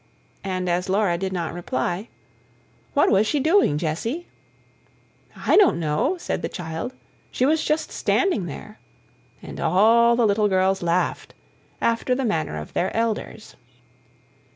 And as Laura did not reply: "What was she doing, Jessie?" "I don't know," said the child. "She was just standing there." And all the little girls laughed, after the manner of their elders.